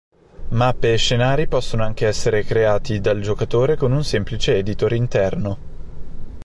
Mappe e scenari possono anche essere creati dal giocatore con un semplice editor interno.